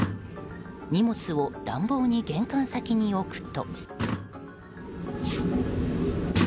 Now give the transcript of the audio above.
荷物を乱暴に玄関先に置くと。